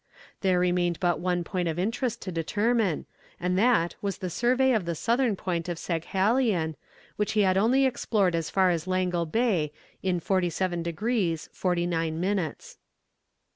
There remained but one point of interest to determine, and that was the survey of the southern point of Saghalien, which he had only explored as far as Langle Bay in 47 degrees 49 minutes.